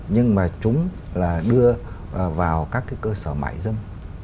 nhưng mà chúng là đưa vào các cái cơ sở mại dâm